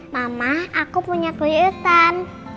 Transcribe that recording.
mama aku punya kejutan